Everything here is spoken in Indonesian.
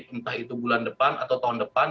entah itu bulan depan atau tahun depan